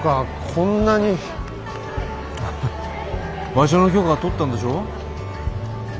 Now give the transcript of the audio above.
場所の許可は取ったんでしょ？